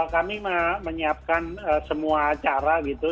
kami menyiapkan semua cara gitu